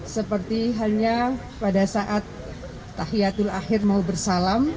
seperti halnya pada saat tahiyatul akhir mau bersalam